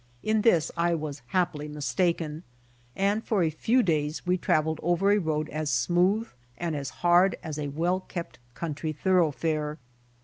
In this I was happily mistaken, and for a few days we traveled over a road as smooth and as hard as a well kept country thoroughfare.